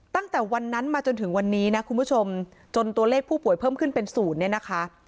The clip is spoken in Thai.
ตั้งแต่วันนั้นมาจนถึงวันนี้นะคุณผู้ชมจนตัวเลขผู้ป่วยเพิ่มขึ้นเป็นศูนย์เนี่ยนะคะ